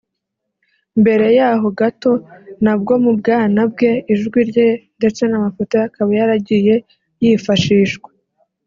Mbere yaho gato nabwo mu bwana bwe ijwi rye ndetse n’amafoto akaba yaragiye yifashishwa